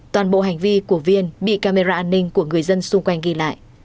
toàn bộ hành vi của viên bị camera an ninh của người dân xung quanh ghi lại